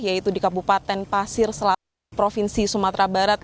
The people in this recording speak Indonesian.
yaitu di kabupaten pasir provinsi sumatera barat